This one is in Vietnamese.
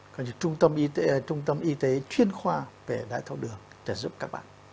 còn những trung tâm y tế chuyên khoa về đáy tháo đường để giúp các bạn